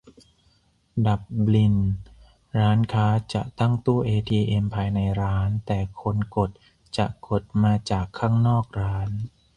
ดับลิน : ร้านค้าจะตั้งตู้เอทีเอ็มภายในร้าน แต่คนกดจะกดมาจากข้างนอกร้าน